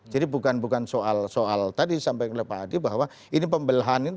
jadi bukan soal tadi sampai tadi bahwa ini pembelahan ini